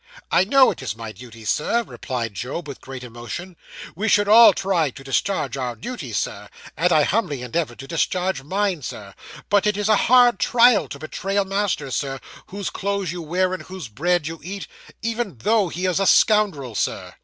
'I know it is my duty, Sir,' replied Job, with great emotion. 'We should all try to discharge our duty, Sir, and I humbly endeavour to discharge mine, Sir; but it is a hard trial to betray a master, Sir, whose clothes you wear, and whose bread you eat, even though he is a scoundrel, Sir.